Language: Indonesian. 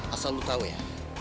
asal lu tau ya